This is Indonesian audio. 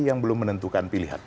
yang belum menentukan pilihan